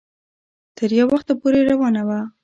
تر يو وخته پورې روانه وه